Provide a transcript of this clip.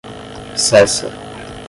Cessa